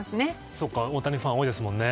そっか大谷ファン多いですもんね。